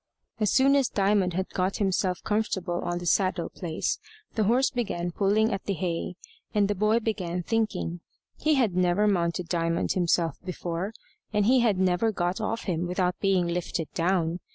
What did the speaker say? As soon as Diamond had got himself comfortable on the saddle place, the horse began pulling at the hay, and the boy began thinking. He had never mounted Diamond himself before, and he had never got off him without being lifted down.